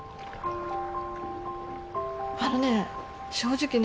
あのね正直ね